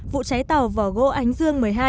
vụ cháy tàu vỏ gỗ ánh dương một mươi hai